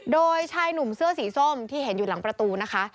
โดยชายหนุ่มเสื้อสีส้มที่เห็นอยู่หลังประตูนะคะ